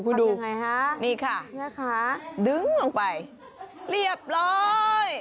ทำยังไงฮะนี่ค่ะดึงลงไปเรียบร้อย